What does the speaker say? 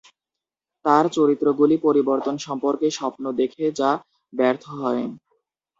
তাঁর চরিত্রগুলি পরিবর্তন সম্পর্কে স্বপ্ন দেখে যা ব্যর্থ হয়।